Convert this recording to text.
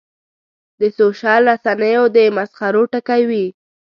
د سوشل رسنیو د مسخرو ټکی وي.